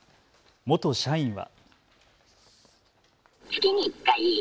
元社員は。